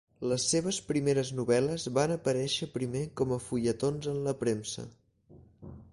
Les seves primeres novel·les van aparèixer primer com a fulletons en la premsa.